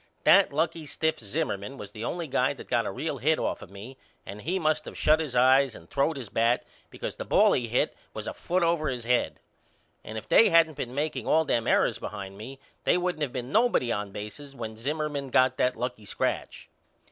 That lucky stiff Zimmerman was the only guy that got a real hit off of me and he must of shut his eyes and throwed his bat because the ball he hit was a foot over his head. And if they hadn't been makeing all them errors behind me they wouldn't of been nobody on bases when Zimmerman got that lucky scratch.